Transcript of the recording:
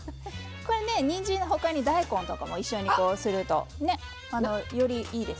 これねにんじんのほかに大根とかも一緒にこうするとよりいいですよね。